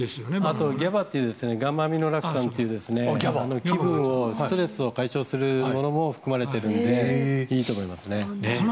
あとＧＡＢＡという気分、ストレスを解消するものも含まれているのでいいと思います。